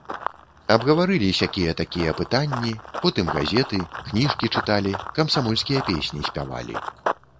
Абгаварылі сякія-такія пытанні, потым газеты, кніжкі чыталі, камсамольскія песні спявалі.